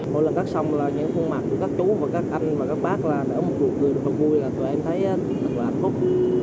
mỗi lần cắt xong là những khuôn mặt của các chú và các anh và các bác là đỡ một cuộc đời vui là tụi em thấy thật là hạnh phúc